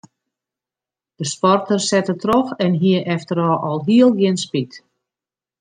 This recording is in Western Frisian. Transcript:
De sporter sette troch en hie efterôf alhiel gjin spyt.